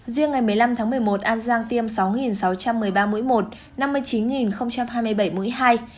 riêng ngày một mươi năm tháng một mươi một an giang tiêm sáu sáu trăm một mươi ba mũi một năm mươi chín hai mươi bảy mũi hai